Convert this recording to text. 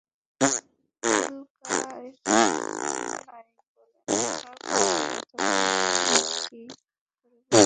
যুলকারনাইন বললেন, আপনার কথার যথার্থতা কি করে বুঝবো?